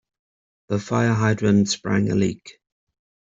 The fire hydrant sprang a leak.